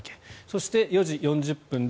そして４時４０分